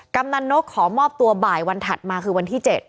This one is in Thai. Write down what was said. กำนันนกขอมอบตัวบ่ายวันถัดมาคือวันที่๗